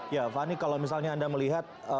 ya fani kalau misalnya anda melihat